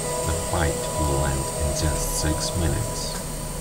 The fight will end in just six minutes.